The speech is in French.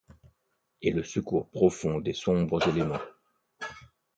Et le secours profond des sombres éléments ;